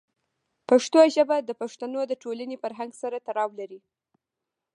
پښتو ژبه د پښتنو د ټولنې فرهنګ سره تړاو لري.